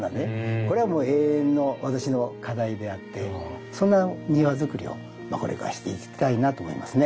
これはもう永遠の私の課題であってそんな庭づくりをこれからしていきたいなと思いますね。